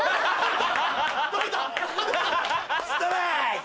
ストライク！